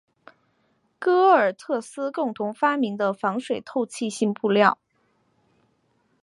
戈尔特斯共同发明的防水透气性布料。